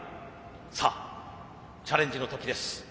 さあチャレンジの時です。